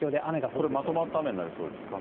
これまとまった雨になりそうですか。